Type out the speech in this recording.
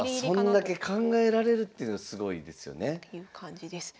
そんだけ考えられるっていうのすごいですよね。という感じです。